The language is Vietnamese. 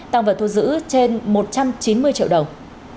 tăng vật thu giữ trên một trăm chín mươi triệu đồng